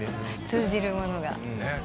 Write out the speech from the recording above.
通じるものが。